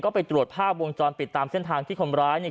ก็ไปตรวจภาพวงจรปิดตามเส้นทางที่คนร้ายเนี่ย